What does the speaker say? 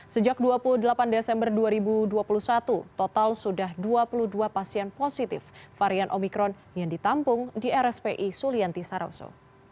sejak dua puluh delapan desember dua ribu dua puluh satu total sudah dua puluh dua pasien positif varian omikron yang ditampung di rspi sulianti saroso